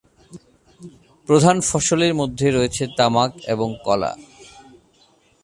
প্রধান ফসলের মধ্যে রয়েছে তামাক এবং কলা।